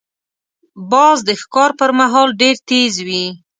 باز د ښکار پر مهال ډېر تیز وي